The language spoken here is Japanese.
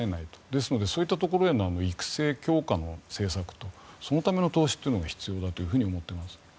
ですのでそういったところへの育成・強化の政策とそのための投資というのが必要だと思っています。